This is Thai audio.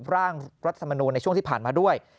ร่างรัฐมนูลในช่วงที่ผ่านมาด้วย